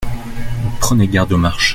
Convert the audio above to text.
Prenez garde aux marches.